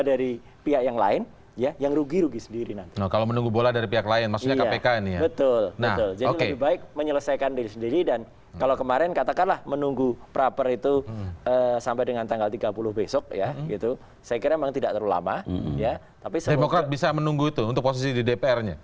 demokrat bisa menunggu itu untuk posisi di dpr nya